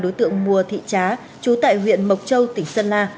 đối tượng mùa thị trá trú tại huyện mộc châu tỉnh sơn la